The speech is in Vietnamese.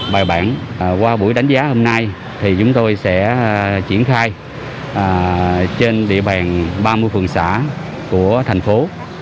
bài bản qua buổi đánh giá hôm nay thì chúng tôi sẽ triển khai trên địa bàn ba mươi phường xã của thành phố